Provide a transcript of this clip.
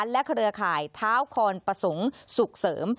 และเครือข่ายเท้าคอนประสงค์สุขเสริม